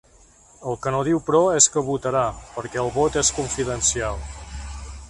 El que no diu, però, és què votarà, perquè ‘el vot és confidencial’.